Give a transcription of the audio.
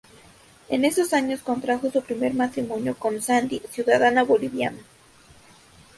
En esos años contrajo su primer matrimonio con Sandy, ciudadana boliviana.